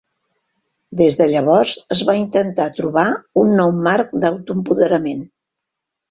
Des de llavors, es va intentar trobar un nou marc d'autoempoderament.